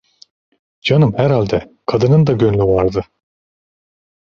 Canım herhalde kadının da gönlü vardı.